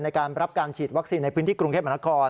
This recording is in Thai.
ในการรับการฉีดวัคซีนในพื้นที่กรุงเทพมหานคร